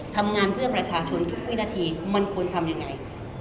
ทำงานเพื่อประชาชนทุกวินาทีมันควรทำยังไง